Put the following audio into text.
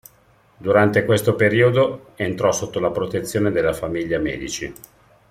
Durante questo periodo entrò sotto la protezione della famiglia Medici.